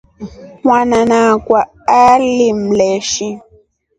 Mwanana akwa alimleshi.